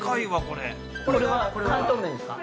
これは広東麺ですか？